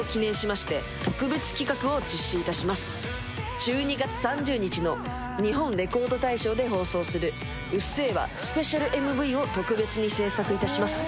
１２月３０日の「日本レコード大賞」で放送する「うっせぇわ」のスペシャルＭＶを特別に制作いたします。